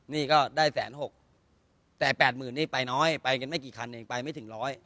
นี่ก็ได้แสนหกแต่๘๐๐๐นี่ไปน้อยไปกันไม่กี่คันเองไปไม่ถึงร้อย